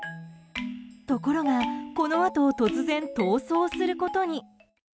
ところが、このあと突然、逃走することに。